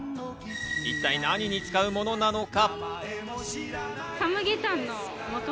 一体、何に使うものなのか。